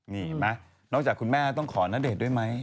น่าจากคุณแม่ต้องขอน่าเดศด้วยไหม